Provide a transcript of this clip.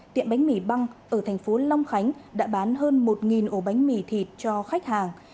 tiệm bánh mì băng ở thành phố long khánh đã bán hơn một ổ bánh mì thịt cho khách hàng